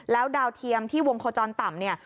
แล้วดาวเทียมที่วงโคจรต่ำเนี่ย